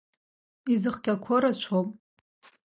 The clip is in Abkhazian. Изыхҟьақәо рацәоуп.